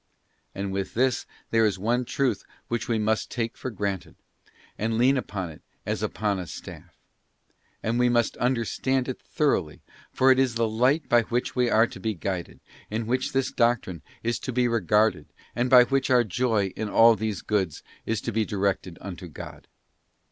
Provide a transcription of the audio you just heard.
And with this there is one truth which we must take for granted, and lean upon it as upon a staff. And we must understand it thoroughly, for it is the light by which we are to be guided, in which this doctrine is to be regarded, and by which our joy in all these goods is to be directed unto God.